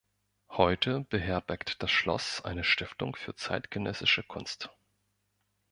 Heute beherbergt das Schloss eine Stiftung für zeitgenössische Kunst.